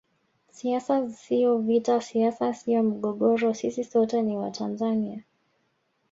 Siasa sio vita siasa sio mgogoro sisi sote ni Watanzania